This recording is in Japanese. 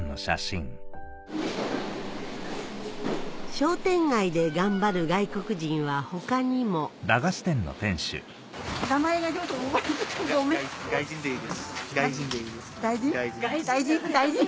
商店街で頑張る外国人は他にもガイジン？